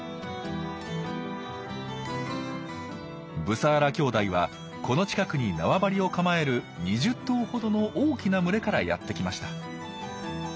ブサーラ兄弟はこの近くに縄張りを構える２０頭ほどの大きな群れからやって来ました。